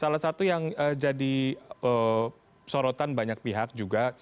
salah satu yang jadi sorotan banyak pihak juga